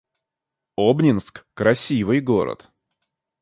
Обнинск — красивый город